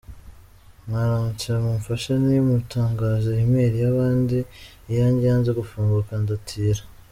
Mwaramutse? Mupfashe ni mutangaze e mail y’abandi iyange yanze gufunguka ndatira.